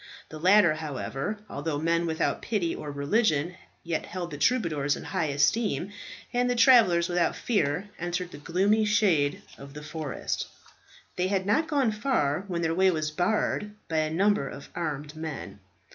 The latter, however, although men without pity or religion, yet held the troubadours in high esteem, and the travellers without fear entered the gloomy shades of the forest. They had not gone far when their way was barred by a number of armed men.